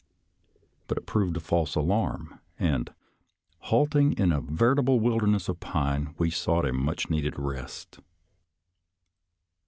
But it proved a false alarm, and, halting in a veritable wilder ness of pine, we sought a much needed rest.